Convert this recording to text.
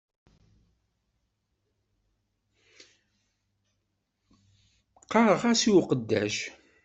Ɣɣareɣ-as i uqeddac.